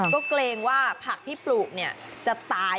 ก็เกรงว่าผักที่ปลูกจะตาย